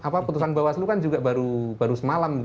keputusan bawaslu kan juga baru semalam